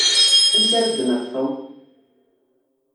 Amek ara d-naf Tom?